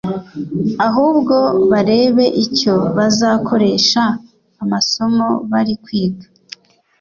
ahubwo barebe icyo bazakoresha amasomo bari kwiga